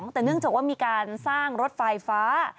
แต่เนื่องจากว่ามีการสร้างรถไฟฟ้า